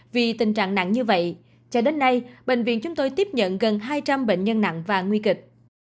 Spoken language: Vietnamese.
vì tình trạng nặng như vậy cho đến nay bệnh viện chúng tôi tiếp nhận gần hai trăm linh bệnh nhân nặng và nguy kịch